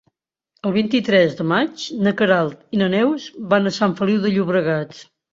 El vint-i-tres de maig na Queralt i na Neus van a Sant Feliu de Llobregat.